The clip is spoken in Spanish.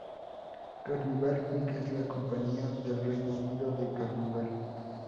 Carnival plc es la compañía del Reino Unido de Carnival.